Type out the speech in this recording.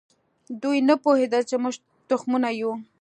دوی نه پوهېدل چې موږ تخمونه یو.